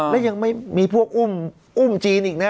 และยังไม่มีพวกอุ้มจีนอีกนะ